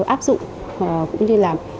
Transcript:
áp dụng cũng như là